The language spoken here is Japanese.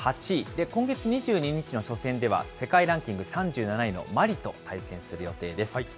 で、今月２２日の初戦では、世界ランキング３７位のマリと対戦する予定です。